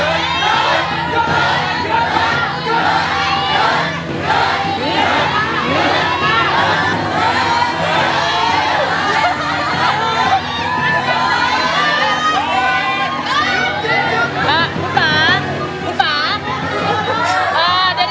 อะคุณฝากคุณฝาก